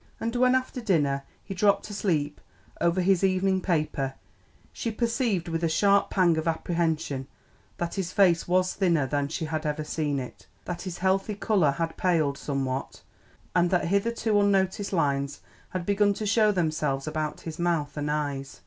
And when after dinner he dropped asleep over his evening paper she perceived with a sharp pang of apprehension that his face was thinner than she had ever seen it, that his healthy colour had paled somewhat, and that hitherto unnoticed lines had begun to show themselves about his mouth and eyes.